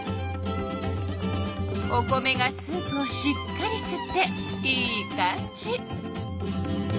お米がスープをしっかりすってイーカんじ！